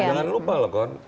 jangan lupa loh kon